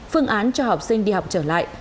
phương án cho học sinh đi học trở lại